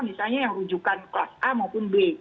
misalnya yang rujukan kelas a maupun b